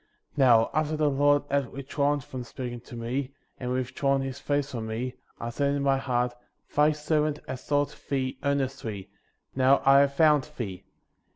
12. Xow, after the Lord had withdrawn"' from speaking to me, and withdrawn his face from me, I said in my heart: Thy servant has sought thee ear nestly ; now I have found thee ; 13.